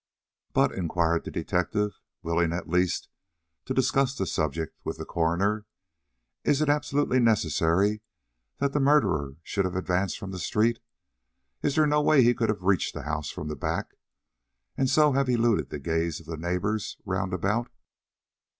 "But," inquired the detective, willing, at least, to discuss the subject with the coroner, "is it absolutely necessary that the murderer should have advanced from the street? Is there no way he could have reached the house from the back, and so have eluded the gaze of the neighbors round about?"